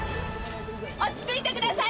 落ち着いてください。